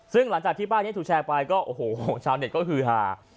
ถึงหลังจากที่ป้าฟูแชร์ไปก็เฮือหา